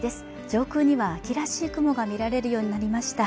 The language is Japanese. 上空には秋らしい雲が見られるようになりました